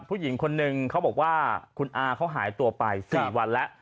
ผู้หญิงคนนึงเขาบอกว่าคุณอาเขาหายตัวไป๔วันแล้ว